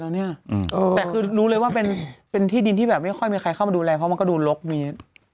แต่คือรู้เลยว่าเป็นที่ดินที่แบบไม่ค่อยมีใครเข้ามาดูแลเพราะมันก็ดูลกมี